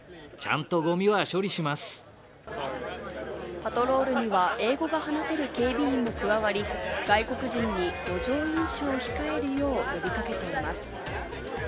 パトロールには英語が話せる警備員も加わり、外国人に路上飲酒を控えるよう呼び掛けています。